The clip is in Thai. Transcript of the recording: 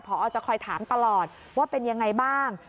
พอจะคอยถามตลอดว่าเป็นยังไงบ้าง